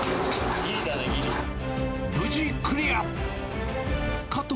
無事クリア。